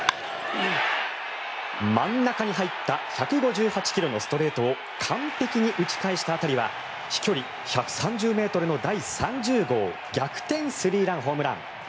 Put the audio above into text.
真ん中に入った１５８ｋｍのストレートを完璧に打ち返した当たりは飛距離１３０ｍの第３０号逆転スリーランホームラン。